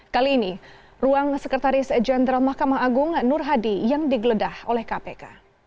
kali ini ruang sekretaris jenderal mahkamah agung nur hadi yang digeledah oleh kpk